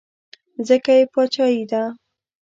ځکه یې باچایي ده.